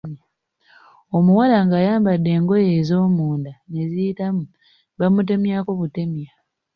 Omuwala ng’ayambadde engoye ez’omunda ne ziyitamu bamutemyako butemya.